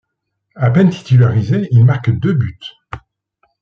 À peine titularisé il marque deux buts.